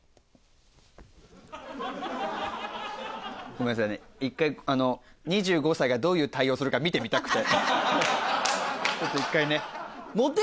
ごめんなさいね一回２５歳がどういう対応するか見てみたくて。